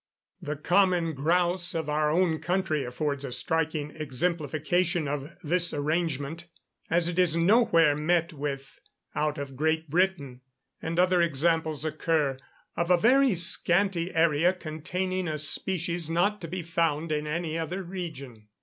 The common grouse of our own country affords a striking exemplification of this arrangement, as it is nowhere met with out of Great Britain; and other examples occur of a very scanty area containing a species not to be found in any other region.